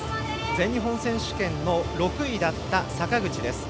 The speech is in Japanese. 全日本選手権の６位だった坂口です。